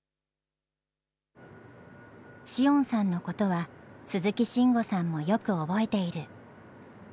詩音さんのことは、鈴木慎吾さんもよく覚えている。